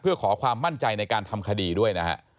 เพื่อขอความมั่นใจในการทำคดีด้วยนะฮะ